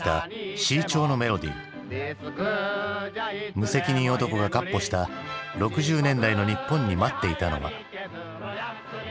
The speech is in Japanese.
「無責任男」がかっ歩した６０年代の日本に待っていたのは？